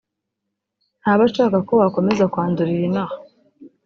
ntaba ashaka ko wakomeza kwandurira inaha